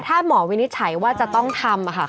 ถ้าหมอวินิจฉัยว่าจะต้องทำ